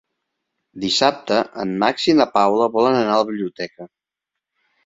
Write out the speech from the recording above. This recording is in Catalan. Dissabte en Max i na Paula volen anar a la biblioteca.